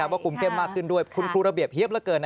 ว่าคุมเข้มมากขึ้นด้วยคุณครูระเบียบเฮียบเหลือเกิน